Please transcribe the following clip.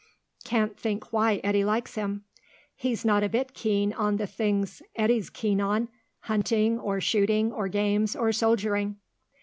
Can't think why Eddy likes him. He's not a bit keen on the things Eddy's keen on hunting, or shooting, or games, or soldiering."